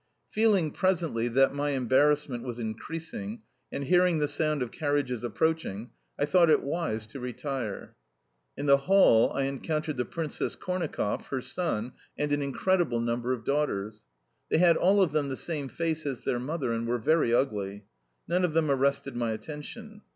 Feeling, presently, that, my embarrassment was increasing, and hearing the sound of carriages approaching, I thought it wise to retire. In the hall I encountered the Princess Kornakoff, her son, and an incredible number of daughters. They had all of them the same face as their mother, and were very ugly. None of them arrested my attention.